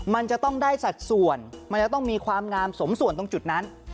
มันจะต้องได้สัดส่วนมันจะต้องมีความงามสมส่วนตรงจุดนั้น